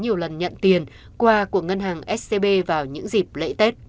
nhiều lần nhận tiền qua của ngân hàng scb vào những dịp lễ tết